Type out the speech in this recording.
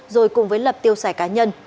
rồi cùng với lập tiêu xài cá nhân